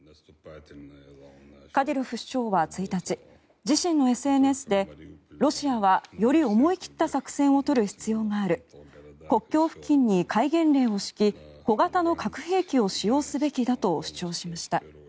カディロフ首長は１日自身のＳＮＳでロシアはより思い切った作戦を取る必要がある国境付近に戒厳令を敷き小型の核兵器を使用すべきだと主張しました。